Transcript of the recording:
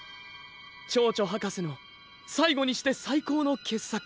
チョウチョはかせのさいごにしてさいこうのけっさく。